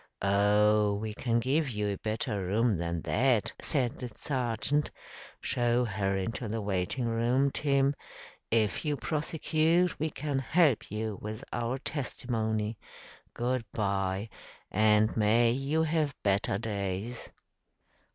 "Oh, we can give you a better room than that," said the sergeant. "Show her into the waiting room, Tim. If you prosecute, we can help you with our testimony. Goodbye, and may you have better days!"